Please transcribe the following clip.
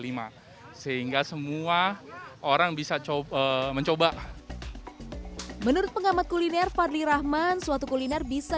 lima sehingga semua orang bisa coba mencoba menurut pengamat kuliner fadli rahman suatu kuliner bisa